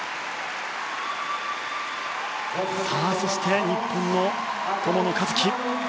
そして日本の友野一希。